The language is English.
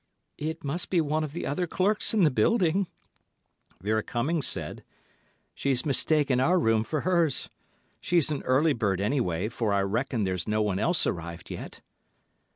"It must be one of the other clerks in the building," Vera Cummings said. "She's mistaken our room for hers. She's an early bird, anyway, for I reckon there's no one else arrived yet."